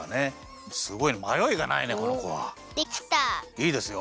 いいですよ。